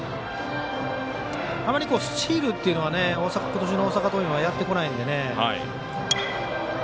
あまりスチールというのは今年の大阪桐蔭はやってこないんでね。